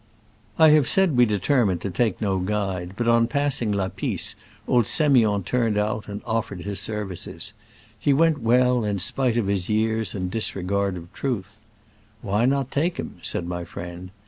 I have said we determined to take no guide, but on passing La Pisse old Semiond turned out and offered his services. He went well, in spite of his years and disregard of truth. "Why not take him ?" said my friend.